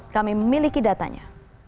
kami memiliki datanya